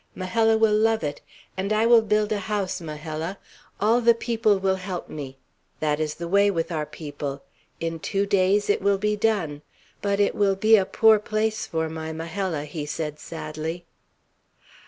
Majella will love it; and I will build a house, Majella. All the people will help me. That is the way with our people. In two days it will be done. But it will be a poor place for my Majella," he said sadly.